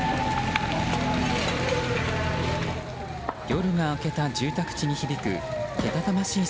夜が明けた住宅地に響くけたたましい